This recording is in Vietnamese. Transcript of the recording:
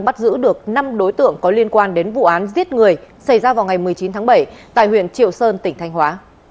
bắt giữ được năm đối tượng có liên quan đến vụ án giết người xảy ra vào ngày một mươi chín tháng bảy tại huyện triệu sơn tỉnh thanh hóa